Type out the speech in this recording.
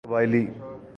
قبائلی